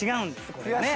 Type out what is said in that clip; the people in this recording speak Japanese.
これがね。